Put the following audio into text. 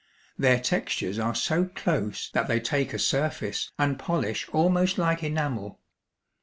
Their textures are so close that they take a surface and polish almost like enamel.